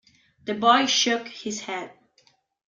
The boy shook his head.